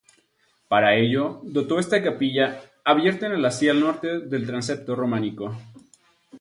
Para ello dotó esta capilla, abierta en el hastial norte del transepto románico.